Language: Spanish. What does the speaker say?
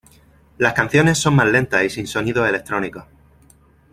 Las canciones son más lentas y sin sonidos electrónicos.